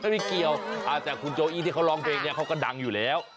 ไม่เกี่ยวแต่คุณโจอี้ที่เขาร้องเพลงเนี่ยเขาก็ดังอยู่แล้ว